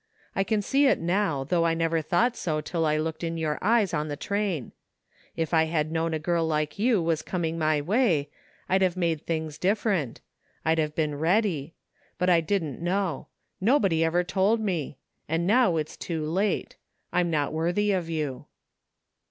I can see it now, though I never thought so till I looked in yoiu: eyes on the train. If I had known a girl like you was coming my way I'd have made things different — ^I'd have been ready — ^but I didn't know. Nobody ever told me I And now it's too late. I'm not worthy of you."